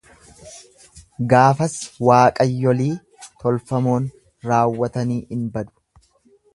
Gaafas waaqayyolii tolfamoon raawwatanii in badu.